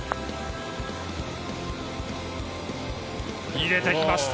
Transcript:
入れてきました。